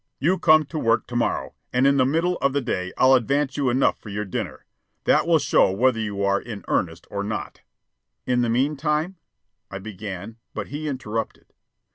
"You come to work to morrow, and in the middle of the day I'll advance you enough for your dinner. That will show whether you are in earnest or not." "In the meantime " I began; but he interrupted.